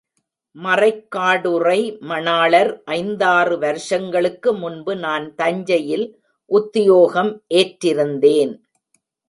மறைக்காடுறை மணாளர் ஐந்தாறு வருஷங்களுக்கு முன்பு நான் தஞ்சையில் உத்தியோகம் ஏற்றிருந்தேன்.